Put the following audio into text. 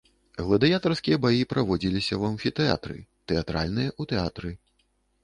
Гладыятарскія баі праводзіліся ў амфітэатры, тэатральныя ў тэатры.